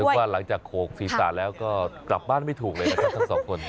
ว่าหลังจากโขกศีรษะแล้วก็กลับบ้านไม่ถูกเลยนะครับทั้งสองคน